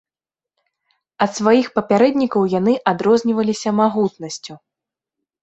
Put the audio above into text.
Ад сваіх папярэднікаў яны адрозніваліся магутнасцю.